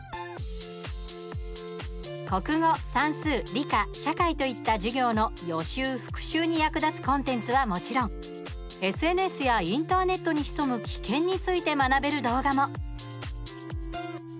国語、算数、理科、社会といった授業の予習、復習に役立つコンテンツはもちろんＳＮＳやインターネットに潜む危険について学べる動画も。